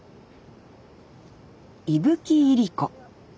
伊吹いりこ。